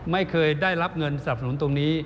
ไม่เคยได้รับเงินสนับสนุนตรงนี้